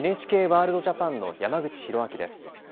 「ＮＨＫワールドＪＡＰＡＮ」の山口寛明です。